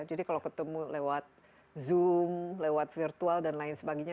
jadi kalau ketemu lewat zoom lewat virtual dan lain sebagainya